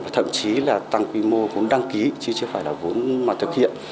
thậm chí là tăng quy mô vốn đăng ký chứ chưa phải là vốn mà thực hiện